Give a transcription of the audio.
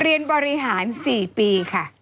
เรียนบริหาร๔ปีค่ะ